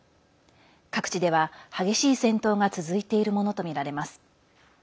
各地では激しい戦闘が続いているものとみられます。